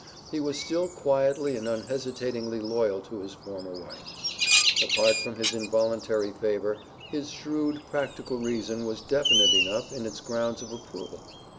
He was still quietly and unhesitatingly loyal to his former wife. Apart from his involuntary favor, his shrewd, practical reason was definite enough in its grounds of approval.